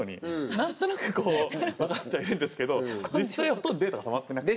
何となく分かってはいるんですけど実際はほとんどデータがたまってなくて。